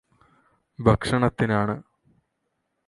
ഭക്ഷണത്തിനാണ്